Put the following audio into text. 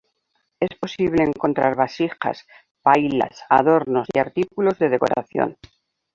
Es posible encontrar vasijas, pailas, adornos y artículos de decoración.